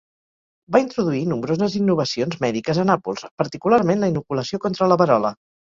Va introduir nombroses innovacions mèdiques a Nàpols, particularment la inoculació contra la verola.